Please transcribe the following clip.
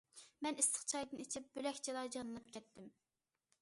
مەن ئىسسىق چايدىن ئىچىپ، بۆلەكچىلا جانلىنىپ كەتتىم.